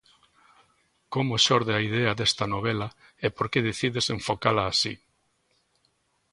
Como xorde a idea desta novela e por que decides enfocala así?